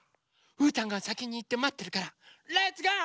うーたんがさきにいってまってるからレッツゴー！